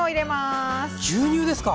牛乳ですか？